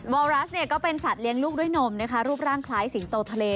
วรัสก็เป็นสัตว์เลี้ยงลูกด้วยนมนะคะรูปร่างคล้ายสิงโตทะเล